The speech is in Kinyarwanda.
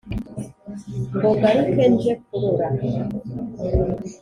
ngo ngaruke nje kurora